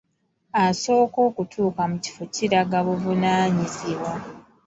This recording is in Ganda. Asooka okutuuka mu kifo kiraga buvunaanyizibwa.